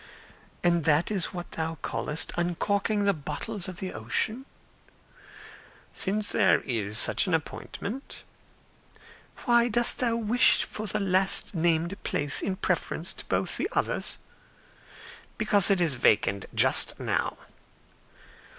"And that is what thou callest uncorking the bottles of the ocean?" "Since there is such an appointment." "Why dost thou wish for the last named place in preference to both the others?" "Because it is vacant just now."